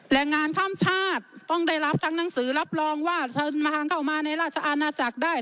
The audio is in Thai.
แรงงานข้ามชาติต้องได้รับทั้งหนังสือรับรองว่าทางเข้ามาในราชอาณาจักรได้